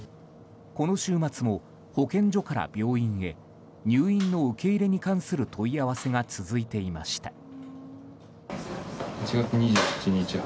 この週末も保健所から病院へ入院の受け入れに関する問い合わせが続いていました。